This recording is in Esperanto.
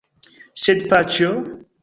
Sed paĉjo?